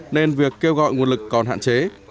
nên việc kêu gọi nguồn lực còn hạn chế